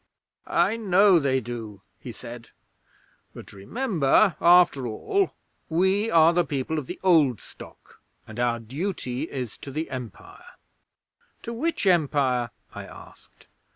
'"I know they do," he said; "but remember, after all, we are the people of the Old Stock, and our duty is to the Empire." '"To which Empire?" I asked.